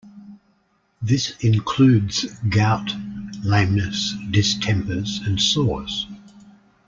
This includes gout, lameness, distempers, and sores.